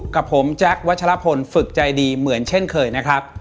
กับผมแจ๊ควัชลพลฝึกใจดีเหมือนเช่นเคยนะครับ